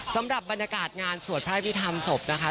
สำหรับบรรยากาศงานสวดพระอภิษฐรรมศพนะคะ